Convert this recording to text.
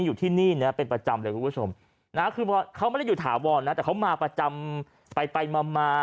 อยู่ที่นี่นะเป็นประจำเลยคุณผู้ชมนะคือเขาไม่ได้อยู่ถาวรนะแต่เขามาประจำไปไปมามา